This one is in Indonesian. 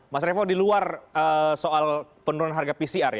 mas revo di luar soal penurunan harga pcr ya